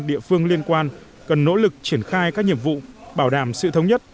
địa phương liên quan cần nỗ lực triển khai các nhiệm vụ bảo đảm sự thống nhất